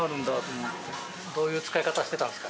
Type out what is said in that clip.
どういう使い方してたんです